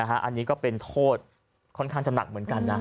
อันนี้ก็เป็นโทษค่อนข้างจะหนักเหมือนกันนะ